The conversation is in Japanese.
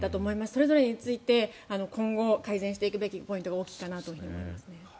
それぞれについて今後、改善していくポイントが大きいかなと思いますね。